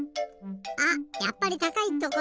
あっやっぱりたかいところ！